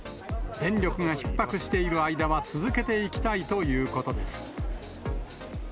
電力がひっ迫している間は続けていきたいということです。